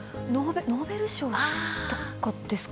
ノーベル賞？とかですか。